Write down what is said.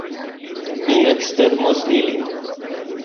Mi ekstermos ilin!